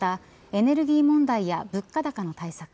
エネルギー問題や物価高の対策